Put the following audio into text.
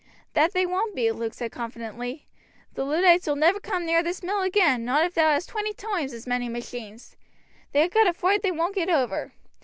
"That they won't be," Luke said confidently; "the Luddites ull never come near this mill agin, not if thou hast twenty toimes as many machines. They ha' got a froight they won't get over.